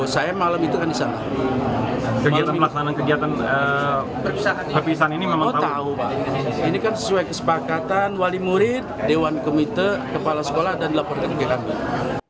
selatan wali murid dewan komite kepala sekolah dan laporan kelanding